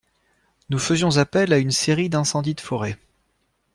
Nous faisions appel à une série d'incendies de forêt.